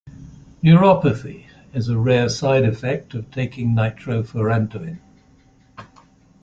Neuropathy is a rare side effect of taking nitrofurantoin.